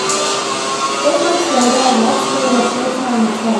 Eight months later Watts made a full-time return.